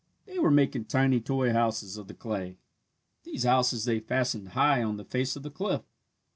They were making tiny toy houses of the clay. These houses they fastened high on the face of the cliff.